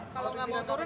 kalau nggak mau turun